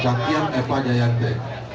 jatian epa jayante